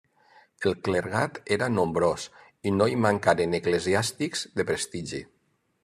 El clergat era nombrós i no hi mancaren eclesiàstics de prestigi.